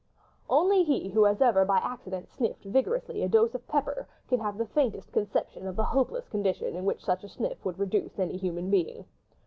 Only he, who has ever by accident sniffed vigorously a dose of pepper, can have the faintest conception of the hopeless condition in which such a sniff would reduce any human being.